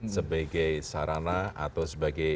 sebagai sarana atau sebagai